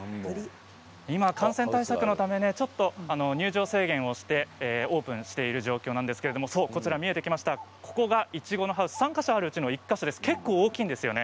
今、感染対策のため入場制限をしてオープンしている状況なんですけれどもここがいちごのハウス３か所あるうちの１つ結構、大きいんですよね。